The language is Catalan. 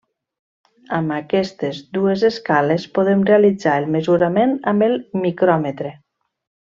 Amb aquestes dues escales podem realitzar el mesurament amb el micròmetre.